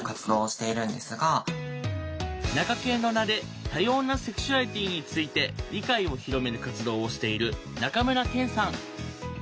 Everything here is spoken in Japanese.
なかけんの名で多様なセクシュアリティーについて理解を広める活動をしている中村健さん。